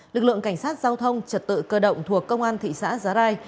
lực lượng cảnh sát giao thông trật tự cơ động thuộc công an thị xã giá rai